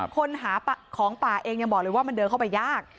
คนหาของป่าเองยังบอกเลยว่ามันเดินเข้าไปยาก